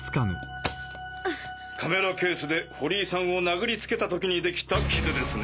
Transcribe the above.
カメラケースで堀井さんを殴りつけた時にできたキズですね？